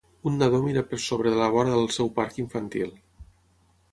Un nadó mira per sobre de la vora del seu parc infantil.